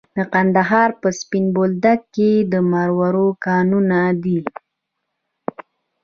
د کندهار په سپین بولدک کې د مرمرو کانونه دي.